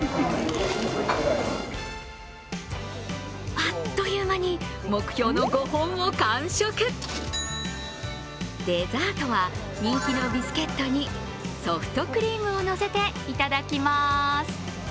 あっという間に目標の５本を完食デザートは、人気のビスケットにソフトクリームをのせていただきます。